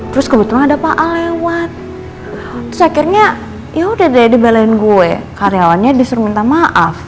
terus kebetulan ada pak ale lewat terus akhirnya yaudah deh dibelain gue karyawannya disuruh minta maaf